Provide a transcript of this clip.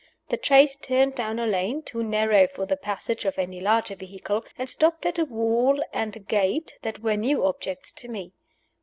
The chaise turned down a lane, too narrow for the passage of any larger vehicle, and stopped at a wall and a gate that were new objects to me.